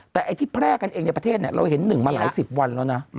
แต่ไอ้ที่แพร่กันเองในประเทศเราเห็น๑มาหลายสิบวันแล้วนะ